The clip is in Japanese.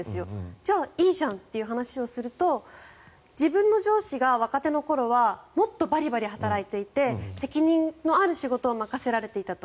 じゃあいいじゃんっていう話をすると自分の上司が若手の頃はもっとバリバリ働いていて責任のある仕事を任せられていたと。